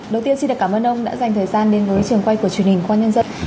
đầu tiên xin được cảm ơn ông đã dành thời gian đến với trường quay của truyền hình quang nhân dân